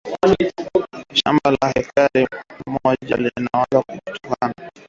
shamba la hekari moja linaweza kutoa tani mojambili ya vizi lishe